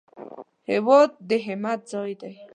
هېواد د همت ځای دی